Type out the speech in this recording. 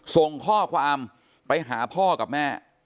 ส่งข้อความไปหาพ่อกับแม่